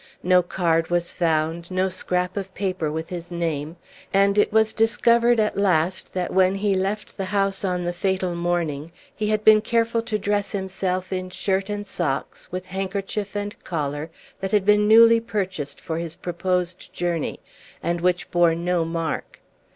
No card was found, no scrap of paper with his name; and it was discovered at last that when he left the house on the fatal morning he had been careful to dress himself in shirt and socks, with handkerchief and collar that had been newly purchased for his proposed journey and which bore no mark.